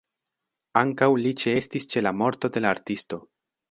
Ankaŭ li ĉeestis ĉe la morto de la artisto.